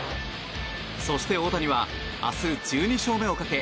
そして、大谷は明日１２勝目をかけ